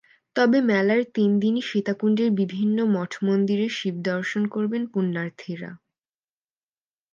তবে মেলার তিন দিনই সীতাকুণ্ডের বিভিন্ন মঠ-মন্দিরে শিব দর্শন করবেন পুণ্যার্থীরা।